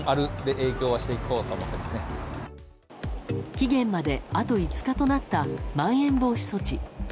期限まであと５日となったまん延防止措置。